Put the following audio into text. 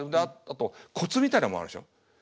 あとコツみたいなものあるでしょ？